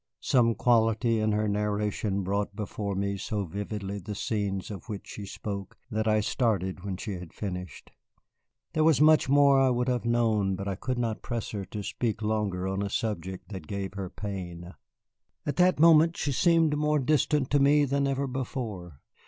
Some quality in her narration brought before me so vividly the scenes of which she spoke that I started when she had finished. There was much more I would have known, but I could not press her to speak longer on a subject that gave her pain. At that moment she seemed more distant to me than ever before.